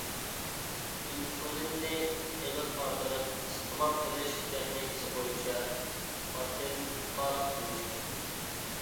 ئىنسۇلىننى ئېغىز ئارقىلىق ئىستېمال قىلىش تېخنىكىسى بويىچە پاتېنتقا ئېرىشكەن.